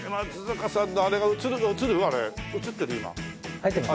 入ってます。